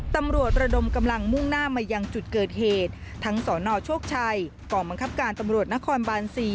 ตำรวจระดมกำลังมุ่งหน้ามายังจุดเกิดเหตุทั้งสนโชคชัยกองบังคับการตำรวจนครบาน๔